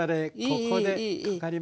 ここでかかります。